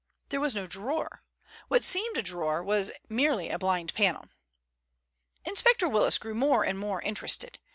There was no drawer. What seemed a drawer was merely a blind panel. Inspector Willis grew more and more interested.